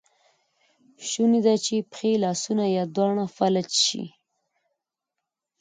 شونی ده چې پښې، لاسونه یا دواړه فلج شي.